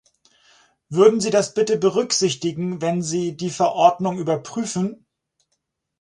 Würden Sie das bitte berücksichtigen, wenn Sie die Verordnung überprüfen?